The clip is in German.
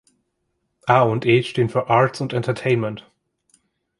"A und E" stehen für "Arts und Entertainment".